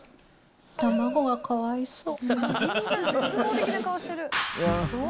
卵がかわいそう。